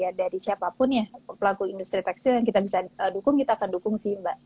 ya dari siapapun ya pelaku industri tekstil yang kita bisa dukung kita akan dukung sih mbak